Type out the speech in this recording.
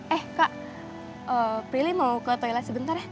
eh kak pilih mau ke toilet sebentar ya